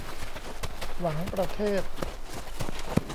หวังประเทศ